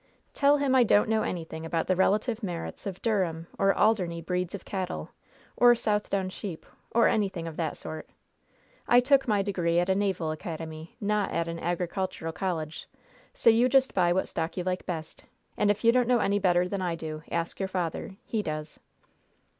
Tell him I don't know anything about the relative merits of Durham or Alderney breeds of cattle, or Southdown sheep, or anything of that sort. I took my degree at a naval academy, not at an agricultural college. So you just buy what stock you like best, and if you don't know any better than I do, ask your father. He does.'